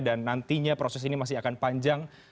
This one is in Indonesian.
dan nantinya proses ini masih akan panjang